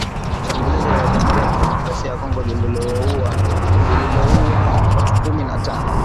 shambulizi la jamhuri ya kidemokrasia ya Kongo lililouwa watu kumi na tano